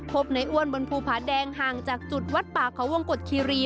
พบในอ้วนบนภูผาแดงห่างจากจุดวัดป่าเขาวงกฎคีรี